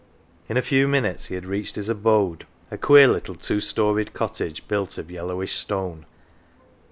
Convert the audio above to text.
In a few minutes he had reached his abode, a queer little two storeyed cottage built of yellowish stone.